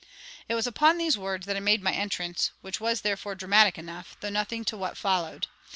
It was upon these words that I made my entrance, which was therefore dramatic enough, though nothing to what followed.